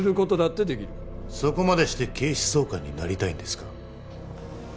そこまでして警視総監になりたいんですか？